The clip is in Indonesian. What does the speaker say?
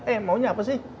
eh maunya apa sih